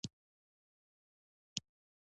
د څرګندي ي د مخه توری زير غواړي.